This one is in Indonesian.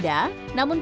dan menurut saya